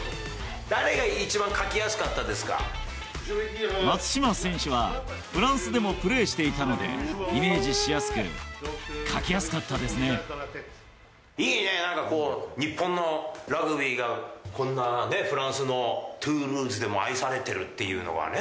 誰が一番、描きやすかったで松島選手はフランスでもプレーしていたので、イメージしやすく、いいね、なんか日本のラグビーが、こんなね、フランスのトゥールーズでも愛されてるっていうのはね。